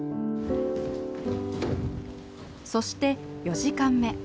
そして４時間目。